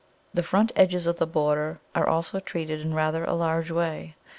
] The front edges of the border are also treated in rather a large way.